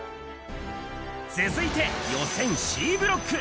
続いて予選Ｃブロック。